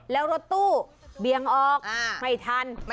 แล้วรถตู้เบียงออกไม่ทัน